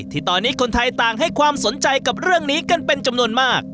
ที่ตอนนี้คนไทยต่างให้ความสนใจกับเรื่องนี้กันเป็นจำนวนมาก